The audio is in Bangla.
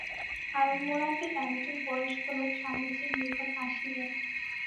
আলমোড়াতে একজন বয়স্ক লোক স্বামীজীর নিকট আসিলেন।